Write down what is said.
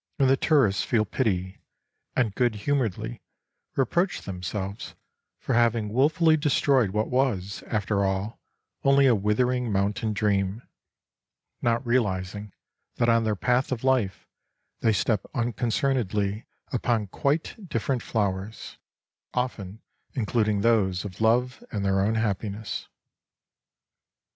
And the tourists feel pity, and good humoredly reproach themselves, for having wil fully destroyed what was, after all, only a withering moun tain dream, not realizing that on their path of life they step unconcernedly upon quite different flowers, often including those of love and their own happiness.